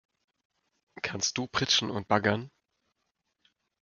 Kannst du pritschen und baggern?